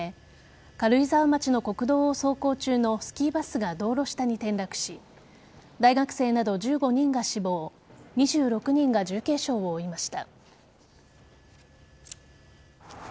軽井沢町の国道を走行中のスキーバスが道路下に転落し大学生など１５人が死亡２６人が重軽傷を負いました。